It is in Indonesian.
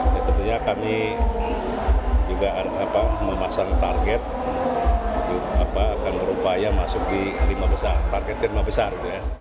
jadi tentunya kami juga memasang target akan berupaya masuk di lima besar target lima besar